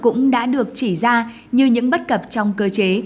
cũng đã được chỉ ra như những bất cập trong cơ chế